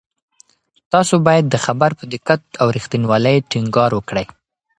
تاسو باید د خبر په دقت او رښتینولۍ ټینګار وکړئ.